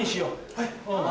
はい。